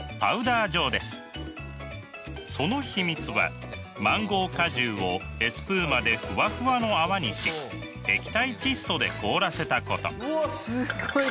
その秘密はマンゴー果汁をエスプーマでフワフワの泡にし液体窒素で凍らせたこと。